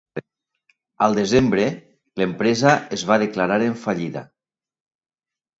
Al desembre, l'empresa es va declarar en fallida.